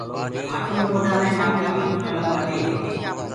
ڍآٽو موڏآ مي مآٽيٚ بي ڪونآ لگوآ دي۔